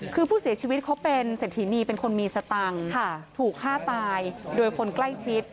คือผู้เสียชีวิตเขาเป็นเศรษฐีนีเป็นคนมีสตังค์ถูกฆ่าตายโดยคนใกล้ชิด